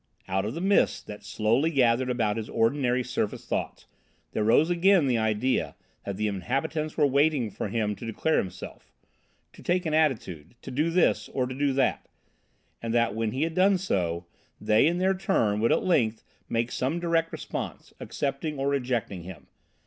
Out of the mists that slowly gathered about his ordinary surface thoughts, there rose again the idea that the inhabitants were waiting for him to declare himself, to take an attitude, to do this, or to do that; and that when he had done so they in their turn would at length make some direct response, accepting or rejecting him.